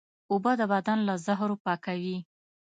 اوبه د بدن له زهرو پاکوي